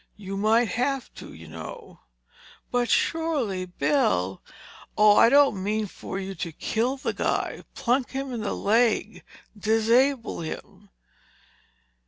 You might have to, you know." "But surely, Bill—" "Oh, I don't mean for you to kill the guy. Plunk him in the leg—disable him.